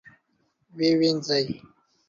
ووینځئ